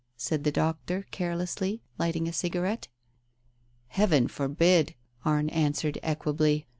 said the doctor carelessly, lighting a cigarette. "Heaven forbid!" Arne answered equably.